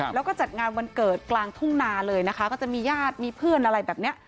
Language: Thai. แล้วก็จัดงานวันเกิดกลางทุ่งนาเลยนะคะก็จะมีญาติมีเพื่อนอะไรแบบนี้